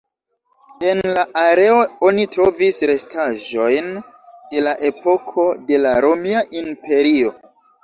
En la areo oni trovis restaĵojn de la epoko de la Romia Imperio.